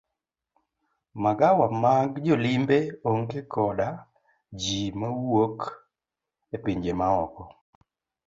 Magawa mag jolimbe onge koda ji mawuok e pinje maoko.